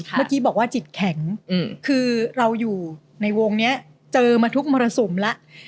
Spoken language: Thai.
เมื่อกี้บอกว่าจิตแข็งคือเราอยู่ในวงนี้เจอมาทุกมรสุมแล้ว